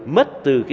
mất từ cái giá trị